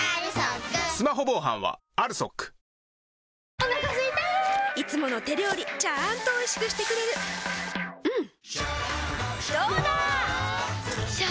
お腹すいたいつもの手料理ちゃんとおいしくしてくれるジューうんどうだわ！